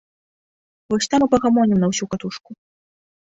Вось там і пагамонім на ўсю катушку.